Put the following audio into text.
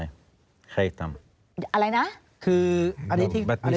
เคยมีการทำร้ายกันในซอยนานาไหม